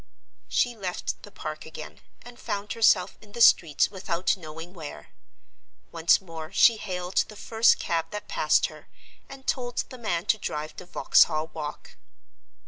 She left the Park again, and found herself in the streets without knowing where. Once more she hailed the first cab that passed her, and told the man to drive to Vauxhall Walk.